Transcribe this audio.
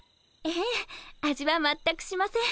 ええ味は全くしません。